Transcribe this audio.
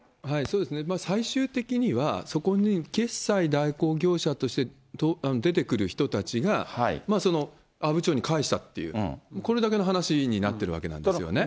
最終的にはそこに決済代行業者として出てくる人たちが、阿武町に返したっていう、これだけの話になってるわけなんですよね。